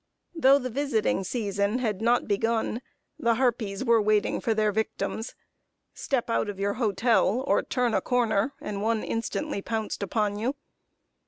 Though the visiting season had not begun, the harpies were waiting for their victims. Step out of your hotel, or turn a corner, and one instantly pounced upon you.